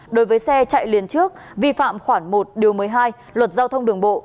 đối với xe chạy liền trước vi phạm khoảng một điều một mươi hai luật giao thông đường bộ